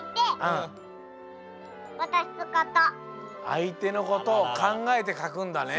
あいてのことをかんがえてかくんだね。